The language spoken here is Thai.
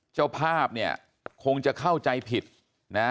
เจ้าภาพเนี่ยคงจะเข้าใจผิดนะ